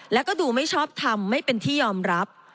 แล้วก็ดูไม่ชอบทำไม่เป็นที่ยอมรับ